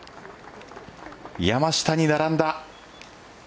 山下に並んだ。